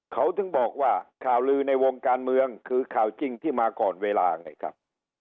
เขาถึงบอกว่าข่าวลือในวงการเมืองคือข่าวจริงที่มาก่อนเวลาไงครับ